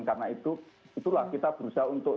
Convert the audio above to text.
karena itu itulah kita berusaha untuk